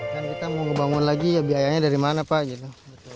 kan kita mau ngebangun lagi ya biayanya dari mana pak gitu